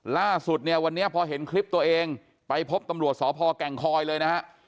ล่าสุดเนี่ยวันนี้พอเห็นคลิปตัวเองไปพบตำรวจสพแก่งคอยเลยนะฮะ